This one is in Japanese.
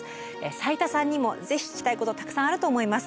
斉田さんにもぜひ聞きたいことたくさんあると思います。